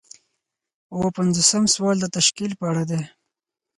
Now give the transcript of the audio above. اووه پنځوسم سوال د تشکیل په اړه دی.